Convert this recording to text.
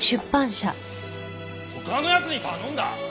他の奴に頼んだ！？